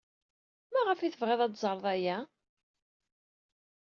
Maɣef ay tebɣid ad teẓred aya?